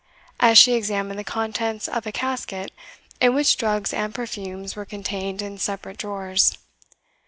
as she examined the contents of a casket in which drugs and perfumes were contained in separate drawers.